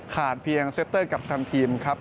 ขาดเพียงเซตเตอร์กับทางทีมครับ